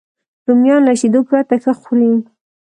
رومیان له شیدو پرته ښه خوري